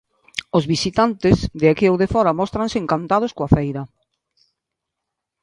Os visitantes, de aquí ou de fóra, móstranse encantados coa feira.